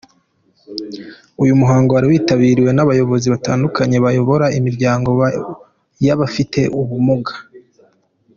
Uyu muhango wari witabiriwe n'abayobozi batandukanye bayobora imiryango y'abafite ubumuga.